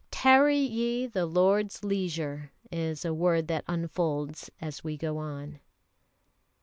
"Tarry ye the Lord's leisure," is a word that unfolds as we go on.